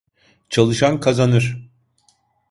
Çalışan, kazanır!